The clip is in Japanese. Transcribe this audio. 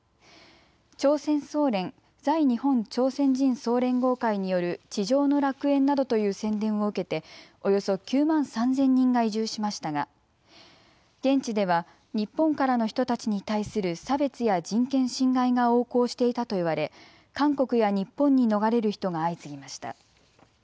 朝鮮総連・在日本朝鮮人総連合会による地上の楽園などという宣伝を受けておよそ９万３０００人が移住しましたが現地では日本からの人たちに対する差別や人権侵害が横行していたと言われ韓国や日本に逃れる人が相次ぎました。